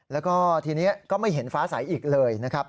แล้วก็ทีนี้ก็ไม่เห็นฟ้าสายอีกเลย